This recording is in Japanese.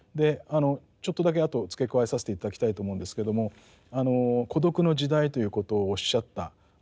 ちょっとだけあと付け加えさせて頂きたいと思うんですけども孤独の時代ということをおっしゃったわけですね。